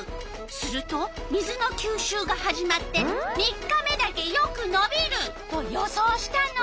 すると水のきゅうしゅうが始まって３日目だけよくのびると予想したの。